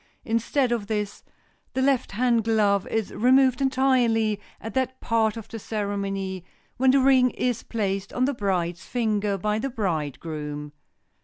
Instead of this the left hand glove is removed entirely at that part of the ceremony when the ring is placed on the bride's finger by the bridegroom.